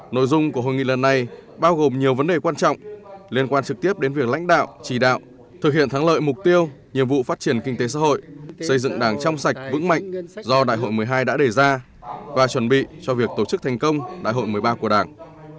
nội dung của hội nghị lần này bao gồm nhiều vấn đề quan trọng liên quan trực tiếp đến việc lãnh đạo chỉ đạo thực hiện thắng lợi mục tiêu nhiệm vụ phát triển kinh tế xã hội xây dựng đảng trong sạch vững mạnh do đại hội một mươi hai đã đề ra và chuẩn bị cho việc tổ chức thành công đại hội một mươi ba của đảng